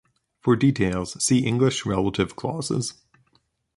For details see English relative clauses.